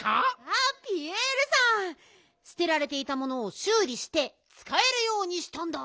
あっピエールさんすてられていたものをしゅうりしてつかえるようにしたんだ。